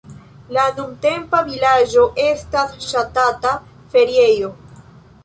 La nuntempa vilaĝo estas ŝatata feriejo.